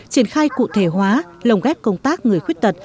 triển khai cụ thể hóa lồng ghép công tác người khuyết tật